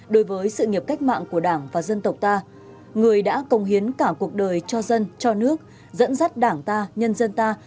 đối với sự nghiệp cách mạng của đảng và dân tộc ta người đã công hiến cả cuộc đời cho dân cho nước dẫn dắt đảng ta nhân dân ta